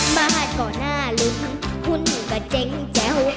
มาหาก่อนน่าลืมคุณก็เจ๋งแจ้ว